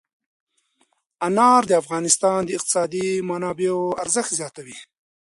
انار د افغانستان د اقتصادي منابعو ارزښت زیاتوي.